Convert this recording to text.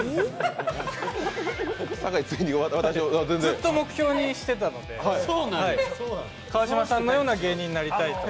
ずっと目標にしてたので、川島さんのような芸人になりたいって。